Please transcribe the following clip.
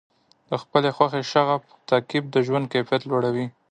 د خپلې خوښې شغف تعقیب د ژوند کیفیت لوړوي.